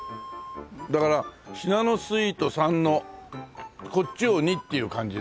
だからシナノスイート３のこっちを２っていう感じで飲みたいね。